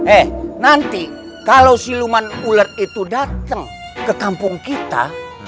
eh nanti kalau si luman ular itu dateng ke kampung kita